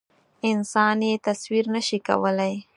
انسان یې تصویر نه شي کولی.